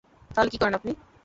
তাহলে কি করেন আপনি?